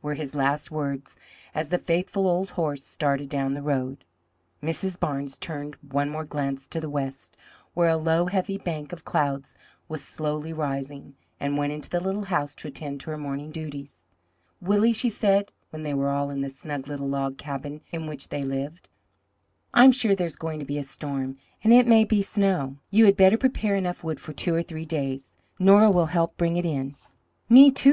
were his last words as the faithful old horse started down the road. Mrs. Barnes turned one more glance to the west, where a low, heavy bank of clouds was slowly rising, and went into the little house to attend to her morning duties. "Willie," she said, when they were all in the snug little log cabin in which they lived, "I'm sure there's going to be a storm, and it may be snow. You had better prepare enough wood for two or three days; Nora will help bring it in." "Me, too!"